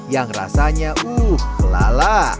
yang rasanya uh lala